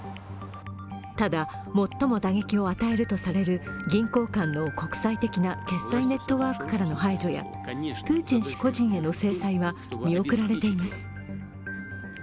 ただ、最も打撃を与えるとされる銀行間の国際的な決済ネットワークからの排除やプーチン氏個人への制裁は見送られています。